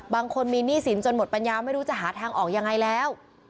บางคนมีหนี้สินจนหมดปัญญาไม่รู้จะหาทางออกยังไงแล้ว